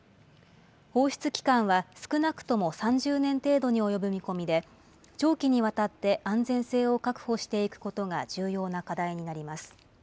放出期間は少なくとも３０年程度に及ぶ見込みで、長期にわたって安全性を確保していくことが重要な課題になります。